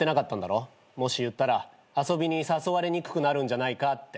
もし言ったら遊びに誘われにくくなるんじゃないかって。